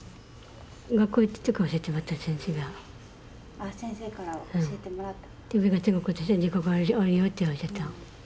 あっ先生から教えてもらった。